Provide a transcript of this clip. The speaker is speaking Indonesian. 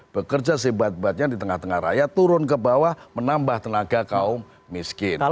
bekerja sebatnya di tengah tengah raya turun ke bawah menambah tenaga kaum miskin